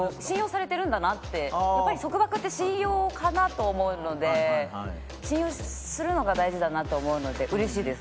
やっぱり束縛って信用かなと思うので信用するのが大事だなと思うのでうれしいです。